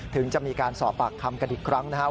ถึงจะมีการสอบปากคำกันอีกครั้งนะครับ